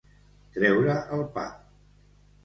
Treure el pap.